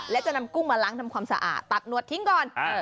และจะนำกุ้งมาล้างทำความสะอาดตัดหนวดทิ้งก่อน